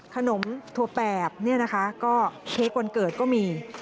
ขนมทัวร์แปบเค้กวันเกิดก็มี